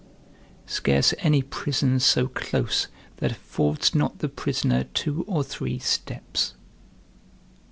Scarce any prison so close that affords not the prisoner two or three steps.